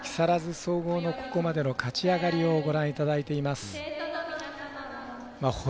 木更津総合のここまでの勝ち上がりをご覧いただいています。